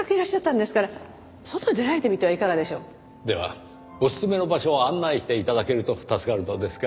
ではおすすめの場所を案内して頂けると助かるのですが。